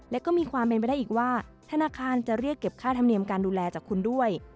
และก็มีความเป็นไปได้อีกว่าธนาคารจะเรียกเก็บค่าธรรมเนียมการดูแลจากคุณด้วย